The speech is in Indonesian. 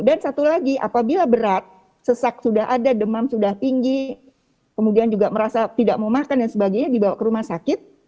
dan satu lagi apabila berat sesak sudah ada demam sudah tinggi kemudian juga merasa tidak mau makan dan sebagainya dibawa ke rumah sakit